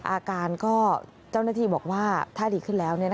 อาการก็เจ้าหน้าที่บอกว่าถ้าดีขึ้นแล้ว